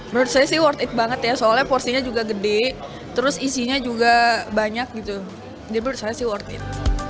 menurut saya sih worth it banget ya soalnya porsinya juga gede terus isinya juga banyak gitu dia menurut saya sih worth it